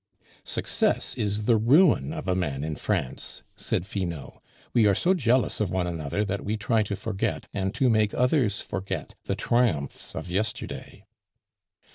"Success is the ruin of a man in France," said Finot. "We are so jealous of one another that we try to forget, and to make others forget, the triumphs of yesterday."